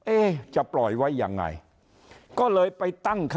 เอ๊ะจะปล่อยไว้อย่างไร